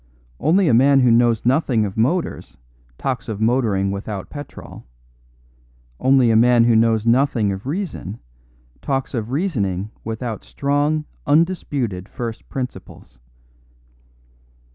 Only a man who knows nothing of motors talks of motoring without petrol; only a man who knows nothing of reason talks of reasoning without strong, undisputed first principles.